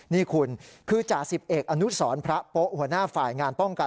นี่คุณคือจ่าสิบเอกอนุสรพระโป๊ะหัวหน้าฝ่ายงานป้องกัน